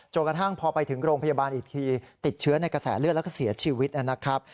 กระทั่งพอไปถึงโรงพยาบาลอีกทีติดเชื้อในกระแสเลือดแล้วก็เสียชีวิตนะครับ